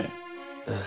ええ。